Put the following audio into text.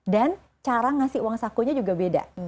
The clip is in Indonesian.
cara ngasih uang sakunya juga beda